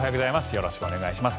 よろしくお願いします。